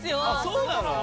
そうなの？